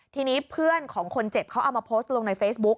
ทีนี้เพื่อนของคนเจ็บเขาเอามาโพสต์ลงในเฟซบุ๊ก